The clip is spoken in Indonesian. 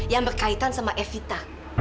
yang berkaitan sama evita